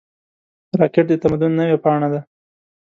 راکټ د تمدن نوې پاڼه ده